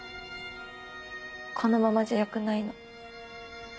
このままじゃよくないの。